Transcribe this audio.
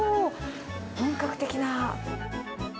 本格的な。